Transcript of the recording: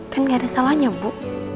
kan gak ada salahnya bu